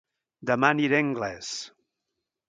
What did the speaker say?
Dema aniré a Anglès